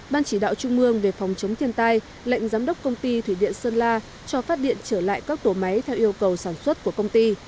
ban chỉ đạo trung mương về phòng chống thiên tai lệnh giám đốc công ty thủy điện sơn la cho phát điện trở lại các tổ máy theo yêu cầu sản xuất của công ty